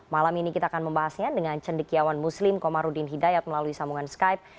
malam ini kita akan membahasnya dengan cendekiawan muslim komarudin hidayat melalui sambungan skype